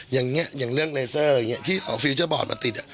อย่างนี้อย่างเรื่องเลเซอร์ที่เอาฟิวเจอร์บอร์ดมาติด